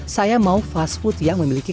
saya mau fast food yang memiliki